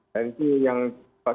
dan itu yang kita juga sadarkan